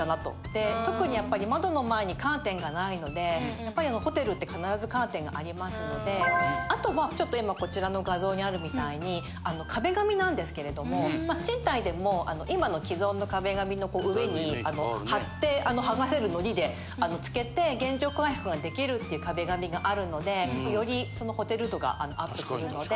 で特にやっぱり窓の前にカーテンがないのでやっぱりホテルって必ずカーテンがありますのであとはちょっと今こちらの画像にあるみたいに壁紙なんですけれども賃貸でも今の既存の壁紙の上に張って剥がせるのりで付けて現状回復ができるっていう壁紙があるのでよりホテル度がアップするので。